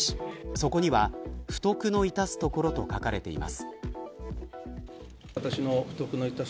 そこには不徳の致すところと書かれています。